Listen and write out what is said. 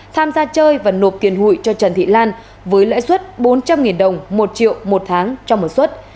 tham gia chơi và nộp tiền hụi cho trần thị lan với lãi suất bốn trăm linh đồng một triệu một tháng trong một suất